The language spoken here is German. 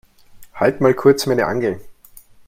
Halt mal kurz meine Angel.